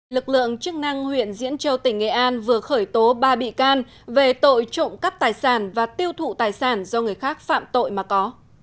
lực lượng chức năng huyện diễn châu tỉnh nghệ an vừa khởi tố ba bị can về tội trộm cắp tài sản và tiêu thụ tài sản do người khác phạm tội mà có